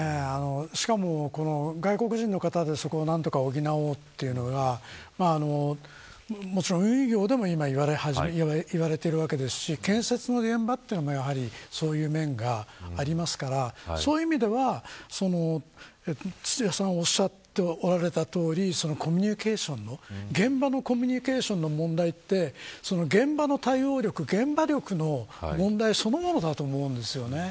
しかも外国人の方でそこを何とか補おうというのがもちろん運輸業でも今言われているわけですし建設の現場というのもやはりそういう面がありますからそういう意味ではおっしゃっていたとおり現場のコミュニケーションの問題で現場の対応力、現場力の問題そのものだと思うんです。